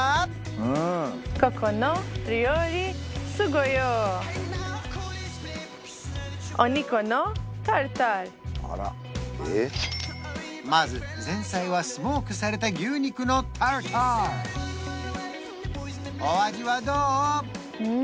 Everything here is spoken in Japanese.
ゴゾ島のまず前菜はスモークされた牛肉のタルタルお味はどう？